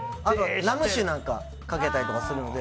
ラム酒なんかかけたりするので。